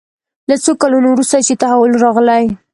له څو کلونو وروسته چې تحول راغلی.